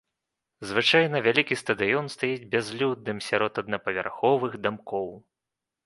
Звычайна вялікі стадыён стаіць бязлюдным сярод аднапавярховых дамкоў.